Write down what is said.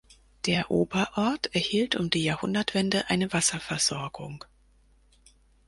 Der Oberort erhielt um die Jahrhundertwende eine Wasserversorgung.